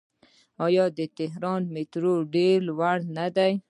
آیا د تهران میټرو ډیره لویه نه ده؟